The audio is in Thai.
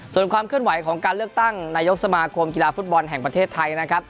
ส่วนความเคลื่อนไหวของการเลือกตั้งนายกสมาคมกีฬาฟุตบอลแห่งประเทศไทยนะครับ